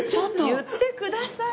言ってくださいませよ。